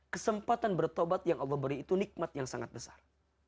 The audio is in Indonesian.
kesempatan bertobat yang allah beri itu nikmat yang sangat besar